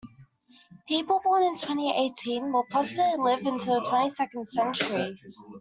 People born in twenty-eighteen will possibly live into the twenty-second century.